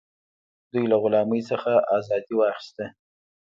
دوی له غلامۍ څخه ازادي واخیسته.